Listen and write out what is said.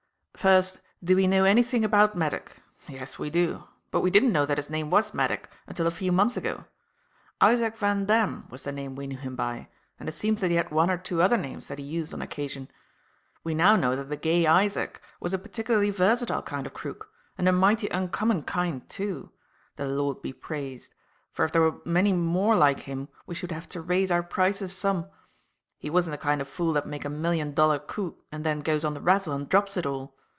"First, do we know anything about Maddock? Yes, we do. But we didn't know that his name was Maddock until a few months ago. Isaac Vandamme was the name we knew him by, and it seems that he had one or two other names that he used on occasion. We now know that the gay Isaac was a particularly versatile kind of crook, and a mighty uncommon kind, too, the Lord be praised; for, if there were many more like him we should have to raise our prices some. He wasn't the kind of fool that make a million dollar coup and then goes on the razzle and drops it all.